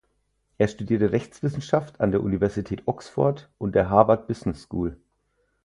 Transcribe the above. Er studierte Rechtswissenschaft an der Universität Oxford und der Harvard Business School.